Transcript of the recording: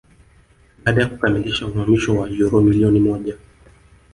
baada ya kukamilisha uhamisho wa uro milioni moja